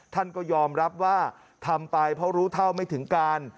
ท่านก็ยอมรับว่าทำไปเพราะรู้เท่าไม่ถึงการ